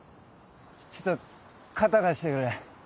ちょっと肩貸してくれ。